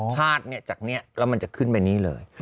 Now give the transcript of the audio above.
พลาดเนี่ยจากเนี่ยแล้วมันจะขึ้นไปนี่เลย